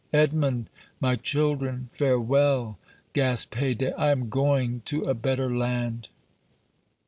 "Edmond, my children, farewell," gasped Haydée; "I am going to a better land!"